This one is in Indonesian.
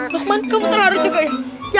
luqman kamu terlalu juga ya